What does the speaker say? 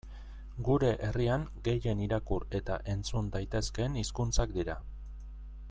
Gure herrian gehien irakur eta entzun daitezkeen hizkuntzak dira.